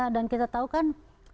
dan kita tahu kan